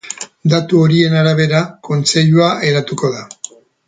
Datu horien arabera, kontseilua eratuko da.